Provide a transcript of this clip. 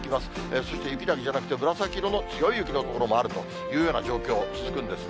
そして雪だけじゃなくて、紫色の強い雪の所もあるというような状況、続くんですね。